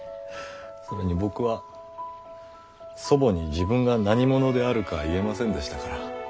それに僕は祖母に自分が何者であるか言えませんでしたから。